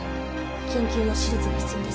緊急の手術が必要です。